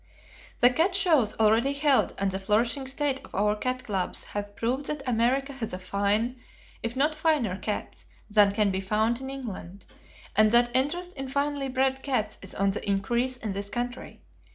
The cat shows already held and the flourishing state of our cat clubs have proved that America has as fine, if not finer, cats than can be found in England, and that interest in finely bred cats is on the increase in this country.